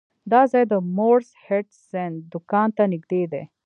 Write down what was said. دا ځای د مورس هډسن دکان ته نږدې دی.